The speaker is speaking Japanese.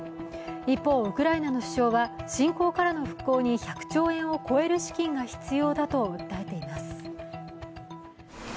一方、ウクライナの首相は侵攻からの復興に１００兆円を超える資金が必要だと訴えています。